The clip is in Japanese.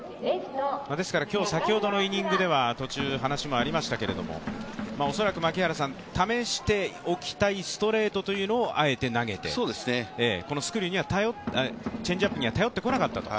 ですから先ほどのイニングでは途中話もありましたけれども、恐らく試しておきたいストレートをあえて投げてこのチェンジアップには頼ってこなかったと。